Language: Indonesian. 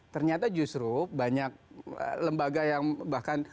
ternyata justru banyak lembaga yang bahkan